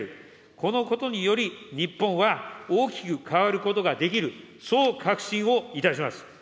このことにより、日本は大きく変わることができる、そう確信をいたします。